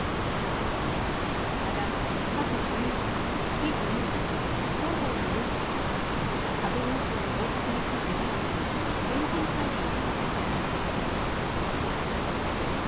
また核保有国・非保有国、双方の有識者が核軍縮の方策について議論する賢人会議を立ち上げました。